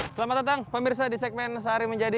selamat datang pemirsa di segmen sehari menjadi